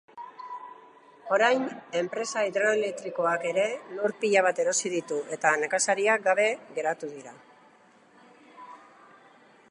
Orain, enpresa hidroelektrikoak ere lur pila bat erosi ditu, eta nekazariak gabe geratu dira.